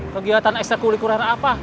kegiatan ekstra kurikuler apa